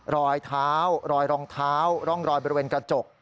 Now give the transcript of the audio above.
รอยเท้ารอยรองเท้าร่องรอยบริเวณกระจก